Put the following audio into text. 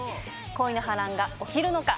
恋の波乱が起きるのか？